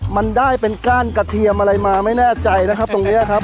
มันได้เป็นก้านกระเทียมอะไรมาไม่แน่ใจนะครับตรงนี้ครับ